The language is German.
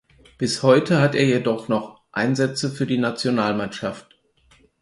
Bis heute hat er jedoch noch Einsätze für die Nationalmannschaft.